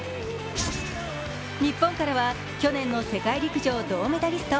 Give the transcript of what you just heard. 日本からは去年の世界陸上銅メダリスト、